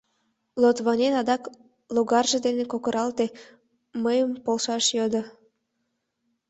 Лотвонен адак логарже дене коргыктале, мыйым полшаш йодо.